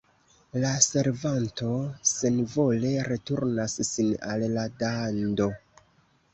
La servanto senvole returnas sin al la dando.